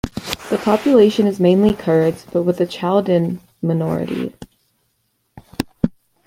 The population is mainly Kurds, but with an Chaldean minority.